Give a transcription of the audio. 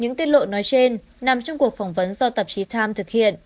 những tiết lộ nói trên nằm trong cuộc phỏng vấn do tạp chí times thực hiện